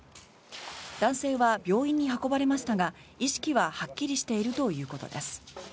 男性は病院に運ばれましたが意識ははっきりしているということです。